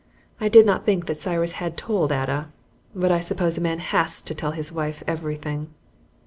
I did not think that Cyrus had told Ada, but I suppose a man HAS to tell his wife everything.